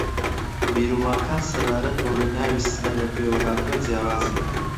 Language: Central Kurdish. بیر و ڕاکان سەبارەت بەوەی ناوی سنە لە کوێوە ھاتووە جیاوازن